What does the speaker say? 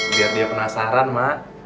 biar dia penasaran mah